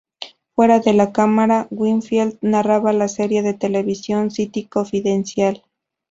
Fuera de cámara, Winfield narraba la serie de televisión "City Confidencial".